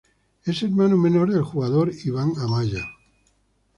Es hermano menor del jugador Iván Amaya.